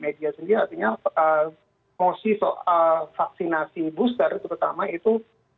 media sendiri artinya emosi soal vaksinasi booster terutama itu